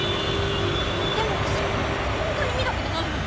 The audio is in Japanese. えっでも私本当に見た事ないもの！